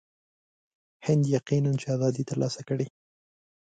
هند یقیناً چې آزادي ترلاسه کړي.